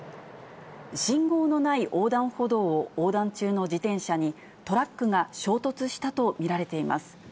信号のない横断歩道を横断中の自転車に、トラックが衝突したと見られています。